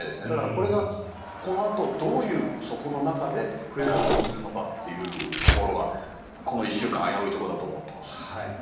だからこれが、このあとどういうそこの中で増え方をするのかっていうところがこの１週間危ういところだと思っています。